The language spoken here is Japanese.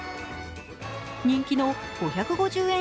人気の５５０円